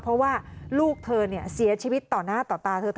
เพราะว่าลูกเธอเสียชีวิตต่อหน้าต่อตาเธอ